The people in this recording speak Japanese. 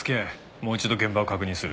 もう一度現場を確認する。